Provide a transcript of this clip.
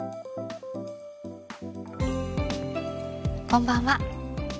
こんばんは。